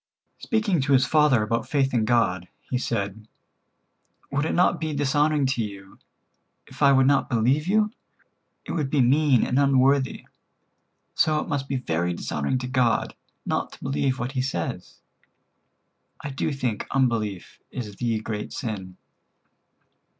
Speaking to his father about faith in God, he said: "Would it not be dishonoring to you, if I would not believe you? It would be mean and unworthy. So it must be very dishonoring to God not to believe what He says. I do think unbelief is the great sin."